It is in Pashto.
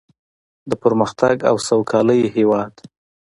د پرمختګ او سوکالۍ هیواد.